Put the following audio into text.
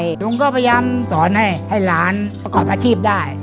ลุงก็พยายามสอนให้หลานประกอบอาชีพได้